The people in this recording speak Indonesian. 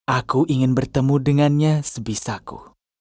aku ingin bertemu dengannya sebisaku